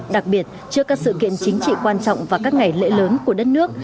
đặc biệt trước các sự kiện chính trị quan trọng và các ngày lễ lớn của đất nước